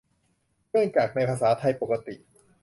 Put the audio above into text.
เนื่องจาก ในภาษาไทยปกติ